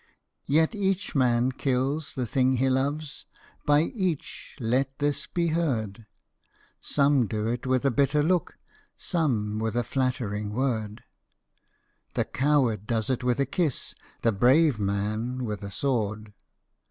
Yet each man kills the thing he loves, By each let this be heard, Some do it with a bitter look, Some with a flattering word, The coward does it with a kiss, The brave man with a sword!